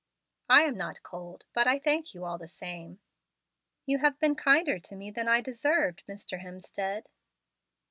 "I am not cold, but I thank you all the same." "You have been kinder to me than I deserved, Mr. Hemstead."